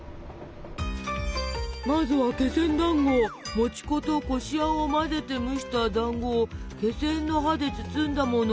まずはもち粉とこしあんを混ぜて蒸しただんごをけせんの葉で包んだもの。